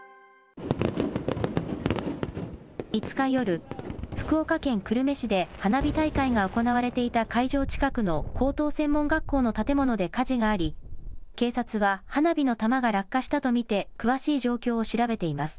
５日夜、福岡県久留米市で花火大会が行われていた会場近くの高等専門学校の建物で火事があり、警察は花火の玉が落下したと見て、詳しい状況を調べています。